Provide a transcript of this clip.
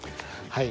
はい。